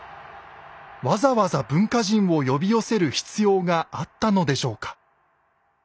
わざわざ文化人を呼び寄せる必要があったのでしょうか？